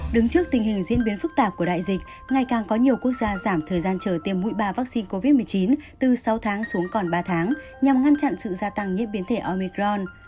đứng trước tình hình diễn biến phức tạp của đại dịch ngày càng có nhiều quốc gia giảm thời gian chờ tiêm mũi ba vaccine covid một mươi chín từ sáu tháng xuống còn ba tháng nhằm ngăn chặn sự gia tăng nhiễm biến thể omicron